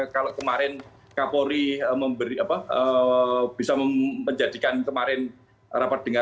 kalau kemarin kapolri bisa menjadikan kemarin rapat dengan